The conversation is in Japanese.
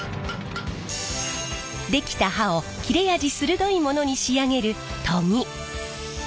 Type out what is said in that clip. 出来た刃を切れ味鋭いものに仕上げる研ぎ。